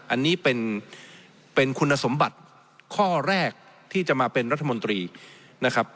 อันนี้เป็นคุณสมบัติข้อแรกที่จะมาเป็นรัฐมนตรีนะครับ